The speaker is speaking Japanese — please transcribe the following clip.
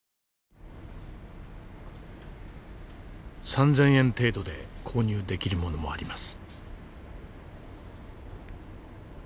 ３，０００円程度で購入できるものもあります。